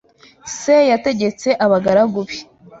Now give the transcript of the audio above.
Se yategetse abagaragu be